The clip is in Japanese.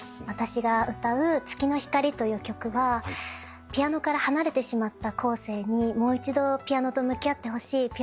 私が歌う『月の光』という曲はピアノから離れてしまった公生にもう一度ピアノと向き合ってほしい。